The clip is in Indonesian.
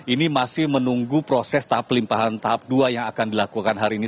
ini masih menunggu proses tahap pelimpahan tahap dua yang akan dilakukan hari ini